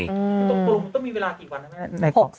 ตรงมันต้องมีเวลากี่วันนะแม่